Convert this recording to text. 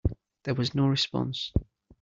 There was no response.